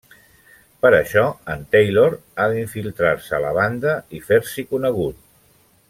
Per això en Taylor ha d'infiltrar-se a la banda i fer-s'hi conegut.